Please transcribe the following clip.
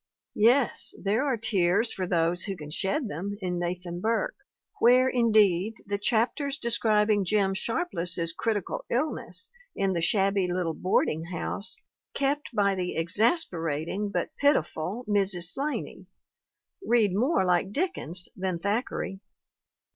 Yes, there are tears for those who can shed them in Nathan Burke, where, indeed, the chapters de scribing Jim Sharpless's critical illness in the shabby little boarding house kept by the exasperating but piti ful Mrs. 'Slaney read more like Dickens than Thack eray.